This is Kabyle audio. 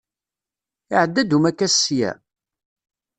Iɛedda-d umakkas sya?